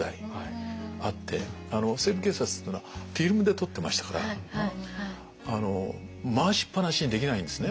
「西部警察」っていうのはフィルムで撮ってましたから回しっ放しにできないんですね。